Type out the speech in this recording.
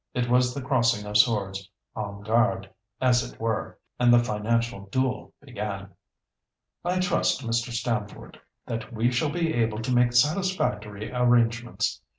It was the crossing of swords, en garde as it were. And the financial duel began. "I trust, Mr. Stamford, that we shall be able to make satisfactory arrangements.